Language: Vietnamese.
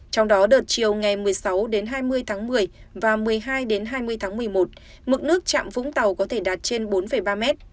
trong đó đợt chiều ngày một mươi sáu đến hai mươi tháng một mươi và một mươi hai đến hai mươi tháng một mươi một mực nước chạm vũng tàu có thể đạt trên bốn ba mét